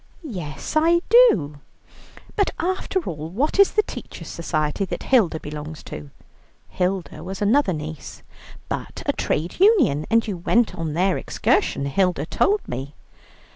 "Yes, I do." "But, after all, what is that Teachers' Society that Hilda belongs to" (Hilda was another niece) "but a Trade Union? And you went on their excursion, Hilda told me."